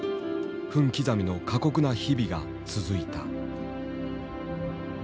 分刻みの過酷な日々が続いた。